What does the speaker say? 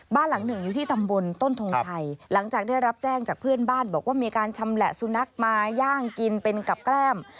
บ้านหลังหนึ่งอยู่ที่ตำบลต้นทงชัยหลังจากได้รับแจ้งจากเพื่อนบ้านบอกว่ามีการชำแหละสุนัขมาย่างกินเป็นกับแกล้ม